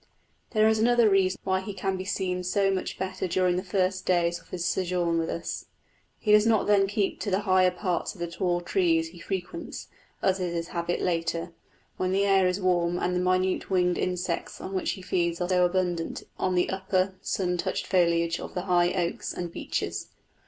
There is another reason why he can be seen so much better during the first days of his sojourn with us: he does not then keep to the higher parts of the tall trees he frequents, as his habit is later, when the air is warm and the minute winged insects on which he feeds are abundant on the upper sun touched foliage of the high oaks and beeches.